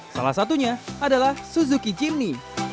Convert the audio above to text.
salah satunya adalah suzuki jimmy